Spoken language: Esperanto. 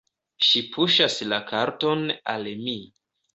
Ŝi puŝas la karton al mi.